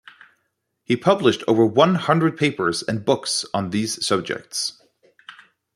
He published over one hundred papers and books on these subjects.